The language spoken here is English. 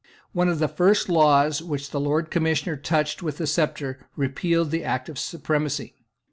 One of the first laws which the Lord Commissioner touched with the sceptre repealed the Act of Supremacy.